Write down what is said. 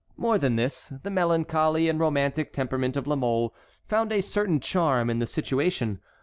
More than this, the melancholy and romantic temperament of La Mole found a certain charm in the situation.